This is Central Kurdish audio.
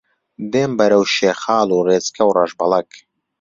دێم بەرەو شیخاڵ و ڕێچکە و ڕەشبەڵەک